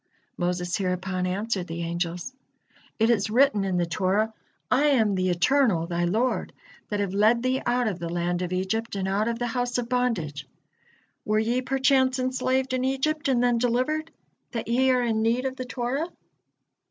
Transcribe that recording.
Moses hereupon answered the angels: "It is written in the Torah: 'I am the Eternal, thy Lord, that have led thee out of the land of Egypt and out of the house of bondage.' Were ye perchance enslaved in Egypt and then delivered, that ye are in need of the Torah?